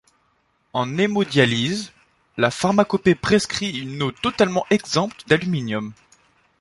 En hémodialyse, la pharmacopée prescrit une eau totalement exempte d'aluminium.